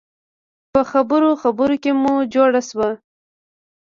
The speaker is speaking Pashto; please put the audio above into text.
په خبرو خبرو کې مو جوړه شوه.